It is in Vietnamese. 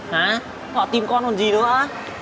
hả họ tìm con còn gì nữa